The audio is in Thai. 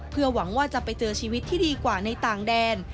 เพื่อหวังว่าจะไปเจอชีวิตที่ดีกว่าในต่างแดน